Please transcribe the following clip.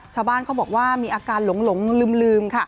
ชาวบ้านเขาบอกว่ามีอาการหลงลืมค่ะ